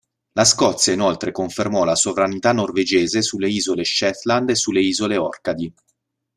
La Scozia inoltre confermò la sovranità norvegese sulle isole Shetland e sulle isole Orcadi.